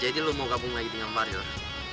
jadi lo mau gabung lagi dengan warior